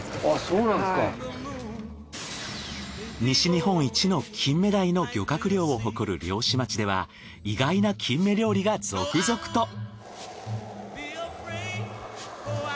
西日本一のキンメダイの漁獲量を誇る漁師町では意外なキンメ料理が続々と。